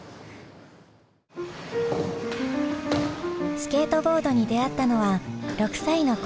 スケートボードに出会ったのは６歳の頃。